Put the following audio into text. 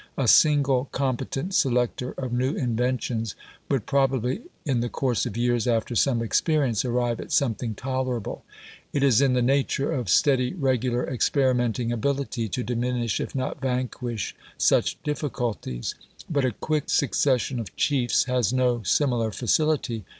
A single competent selector of new inventions would probably in the course of years, after some experience, arrive at something tolerable; it is in the nature of steady, regular, experimenting ability to diminish, if not vanquish, such difficulties. But a quick succession of chiefs has no similar facility.